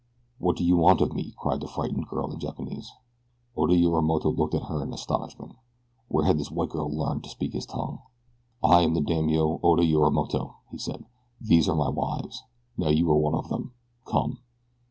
"What do you want of me?" cried the frightened girl, in Japanese. Oda Yorimoto looked at her in astonishment. Where had this white girl learned to speak his tongue? "I am the daimio, Oda Yorimoto," he said. "These are my wives. Now you are one of them. Come!"